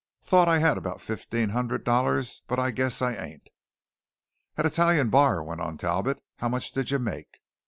Thought I had about fifteen hundred dollars, but I guess I ain't." "At Italian Bar," went on Talbot, "how much did you make?"